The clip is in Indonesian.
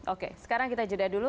oke sekarang kita jeda dulu